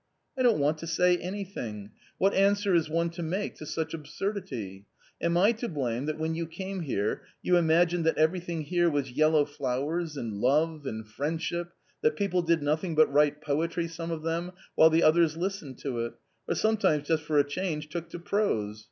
"I don't want to say anything; what answer is one to make to such absurdity ? Am I to blame that when you came here you imagined that everything here was yellow flowers, and love and friendship, that people did nothing but write poetry some of them while the others listened to it, or sometimes just for a change took to prose